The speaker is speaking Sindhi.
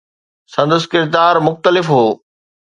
سندس ڪردار مختلف هو.